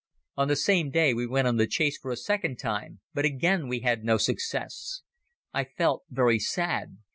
On the same day we went on the chase for a second time but again we had no success. I felt very sad.